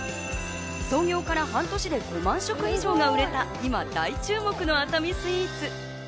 創業から半年で５万食以上が売れた今、大注目の熱海スイーツ。